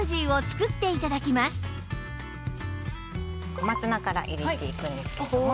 小松菜から入れていくんですけれども。